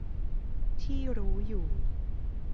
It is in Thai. ที่รู้อยู่